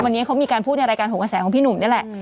วันนี้เขามีการพูดในรายการหงกระแสของพี่หนุ่มนี่แหละ